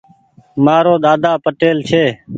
مآرو ۮاۮا پٽيل ڇي۔